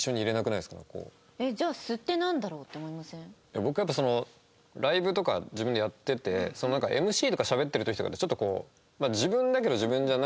僕やっぱライブとか自分でやっててＭＣとかしゃべってる時とかってちょっとこう自分だけど自分じゃないじゃないですか。